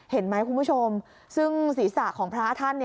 เห็นไหมคุณผู้ชมซึ่งศีรษะของพระท่าน